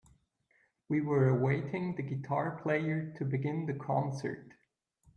We were awaiting the guitar player to begin the concert.